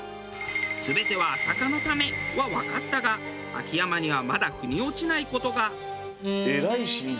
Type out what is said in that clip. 「全ては朝霞のため」はわかったが秋山にはまだ腑に落ちない事が。